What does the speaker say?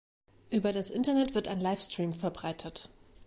Über das Internet wird ein Live-Stream verbreitet.